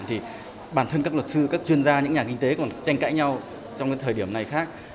thì bản thân các luật sư các chuyên gia những nhà kinh tế còn tranh cãi nhau trong cái thời điểm này khác